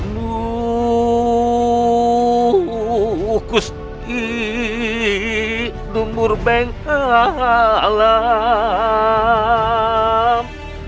m antique numur beng alam